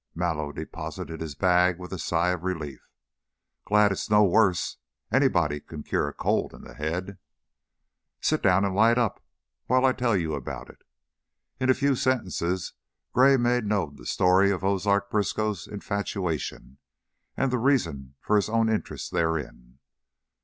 Mallow deposited his bag with a sigh of relief. "Glad it's no worse. Anybody can cure a cold in the head." "Sit down and light up while I tell you about it." In a few sentences Gray made known the story of Ozark Briskow's infatuation, and the reason for his own interest therein.